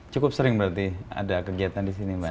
cukup sering berarti ada kegiatan di sini mbak